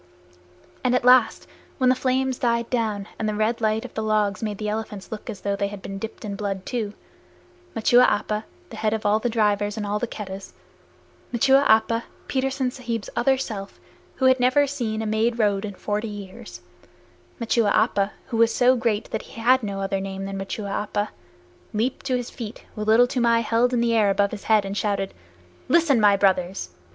And at last, when the flames died down, and the red light of the logs made the elephants look as though they had been dipped in blood too, Machua Appa, the head of all the drivers of all the Keddahs Machua Appa, Petersen Sahib's other self, who had never seen a made road in forty years: Machua Appa, who was so great that he had no other name than Machua Appa, leaped to his feet, with Little Toomai held high in the air above his head, and shouted: "Listen, my brothers.